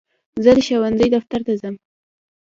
زه د ښوونځي دفتر ته ځم.